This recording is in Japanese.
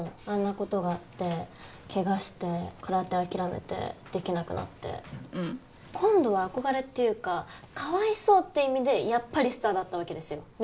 あんなことがあってケガして空手諦めてできなくなってうん今度は憧れっていうかかわいそうっていう意味でやっぱりスターだったわけですよ